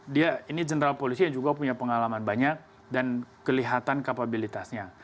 dia ini general polisi yang juga punya pengalaman banyak dan kelihatan kapabilitasnya